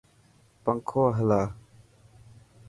پنکو هلا.